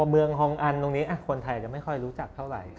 เมืองฮองอันตรงนี้คนไทยอาจจะไม่ค่อยรู้จักเท่าไหร่